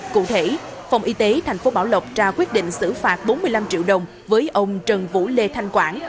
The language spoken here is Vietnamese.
cụ thể phòng y tế tp bảo lộc ra quyết định xử phạt bốn mươi năm triệu đồng với ông trần vũ lê thanh quảng